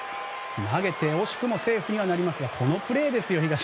投げて惜しくもセーフにはなりますがこのプレーですよ。